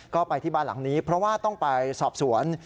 ก็ไปที่บ้านหลังนี้เพราะว่าต้องไปสอบสวน